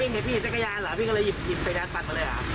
พี่เธอเห็นจักรยานเหรอพี่ก็เลยหยิบไปด้านปั่นมาเลย